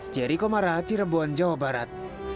jerry komara cirebon jawa barat